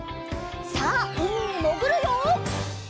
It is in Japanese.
さあうみにもぐるよ！